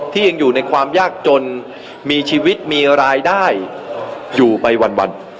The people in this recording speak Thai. ยังอยู่ในความยากจนมีชีวิตมีรายได้อยู่ไปวัน